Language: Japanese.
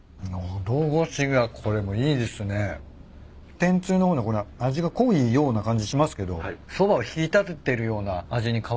天つゆの方これ味が濃いような感じしますけどそばを引き立ててるような味に変わりますね。